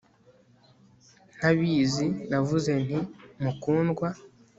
Ntabizi navuze nti Mukundwa